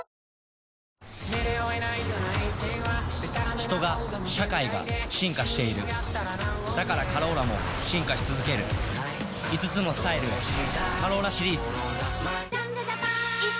人が社会が進化しているだから「カローラ」も進化し続ける５つのスタイルへ「カローラ」シリーズ